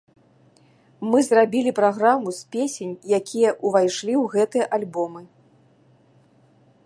Мы зрабілі праграму з песень, якія ўвайшлі ў гэтыя альбомы.